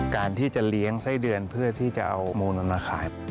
การที่จะเลี้ยงไส้เดือนเพื่อที่จะเอามูลมาขาย